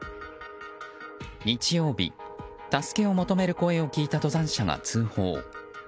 日曜日、助けを求める声を聞いた登山者が通報。